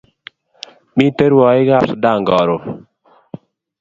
Miten rwaik ab sudan karon